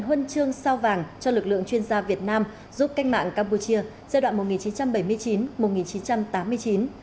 huân chương sao vàng cho lực lượng chuyên gia việt nam giúp cách mạng campuchia giai đoạn một nghìn chín trăm bảy mươi chín một nghìn chín trăm tám mươi chín